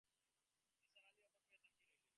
নিসার আলি অবাক হয়ে তাকিয়ে রইলেন।